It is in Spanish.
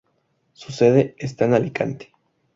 Su sede está en Alicante.